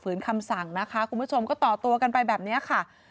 คำสั่งนะคะคุณผู้ชมก็ต่อตัวกันไปแบบนี้ค่ะ